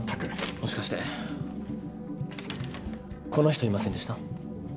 もしかしてこの人いませんでした？